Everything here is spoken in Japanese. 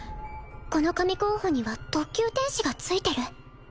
この神候補には特級天使がついてる？